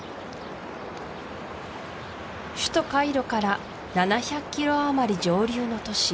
首都カイロから７００ｋｍあまり上流の都市